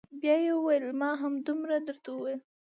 بيا يې وويل ما همدومره درته وويل.